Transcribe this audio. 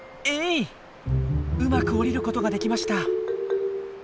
うまく下りることができました。